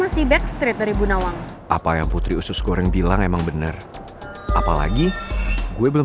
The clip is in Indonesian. saya pastikan bunda wang harus aman